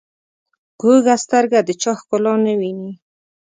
کوږه سترګه د چا ښکلا نه ویني